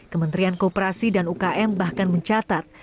kementerian kooperasi dan ukm bahkan mencatat